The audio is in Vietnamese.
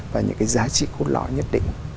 và những cái giá trị cốt lõi nhất định